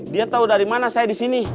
dia tau dari mana saya disini